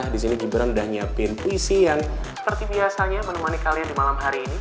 di sini gibran udah nyiapin puisi yang seperti biasanya menemani kalian di malam hari ini